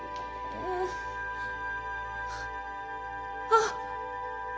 あっ。